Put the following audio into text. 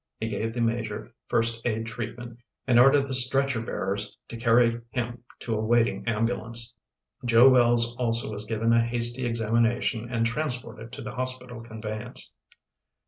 He gave the Major first aid treatment and ordered stretcher bearers to carry him to a waiting ambulance. Joe Wells also was given a hasty examination and transported to the hospital conveyance.